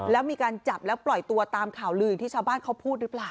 แล้วมีการจับแล้วปล่อยตัวตามข่าวลือที่ชาวบ้านเขาพูดหรือเปล่า